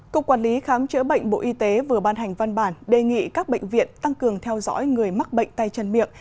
cục quản lý khám chữa bệnh bộ y tế vừa ban hành văn bản đề nghị các bệnh viện tăng cường theo dõi người mắc bệnh tay chân miệng